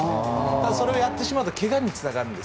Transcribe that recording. ただ、それをやってしまうと怪我につながるんです。